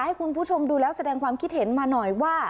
ให้คุณผู้ชมดูแล้วแสดงความคิดเห็นมาหน่อยว่า